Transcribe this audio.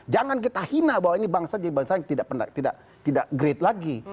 jangan kita hina bahwa ini bangsa jadi bangsa yang tidak grade lagi